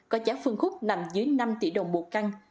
có giá phân khúc nằm dưới năm tỷ đồng một căn